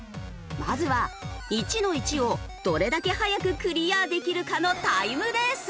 まずは１−１をどれだけ早くクリアできるかのタイムレース！